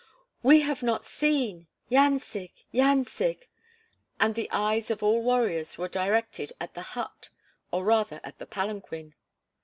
"We have not seen! Yancig! Yancig!" And the eyes of all warriors were directed at the "hut," or rather at the palanquin.